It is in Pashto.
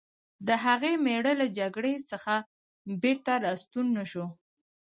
د هغې مېړه له جګړې څخه بېرته راستون نه شو